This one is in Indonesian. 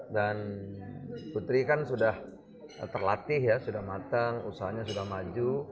dan putri kan sudah terlatih ya sudah matang usahanya sudah maju